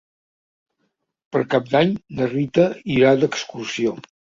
Per Cap d'Any na Rita irà d'excursió.